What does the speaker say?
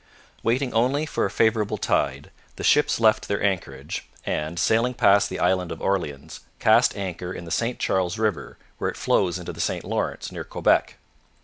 Waiting only for a favourable tide, the ships left their anchorage, and, sailing past the Island of Orleans, cast anchor in the St Charles river, where it flows into the St Lawrence near Quebec.